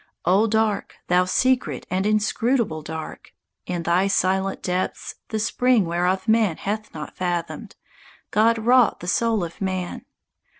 _ O Dark! thou secret and inscrutable Dark! In thy silent depths, the springs whereof man hath not fathomed, God wrought the soul of man.